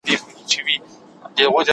آیا ته به ماته خپل بریښنالیک پته راکړې؟